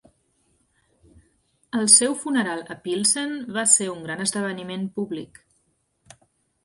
El seu funeral a Pilsen va ser un gran esdeveniment públic.